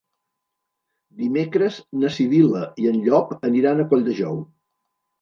Dimecres na Sibil·la i en Llop aniran a Colldejou.